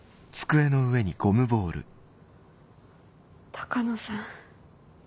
鷹野さん。